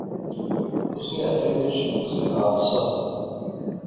اس نے ہتھے وچ کسے نا ہتھ سا